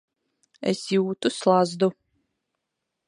Es jūtu slazdu.